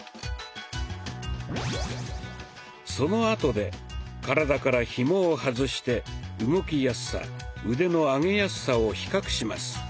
そのあとで体からひもを外して動きやすさ腕の上げやすさを比較します。